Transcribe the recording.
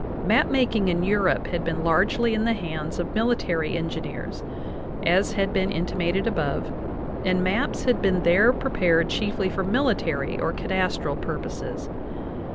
Map making in Europe had been largely in the hands of mili tary engineers, as has been intimated above, and maps had been there prepared chiefly for military or cadastral purposes.